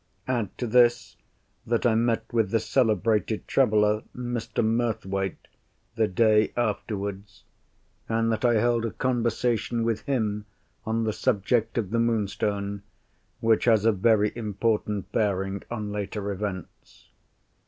Add to this, that I met with the celebrated traveller, Mr. Murthwaite, the day afterwards, and that I held a conversation with him on the subject of the Moonstone, which has a very important bearing on later events.